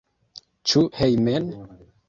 Ĉu hejmen?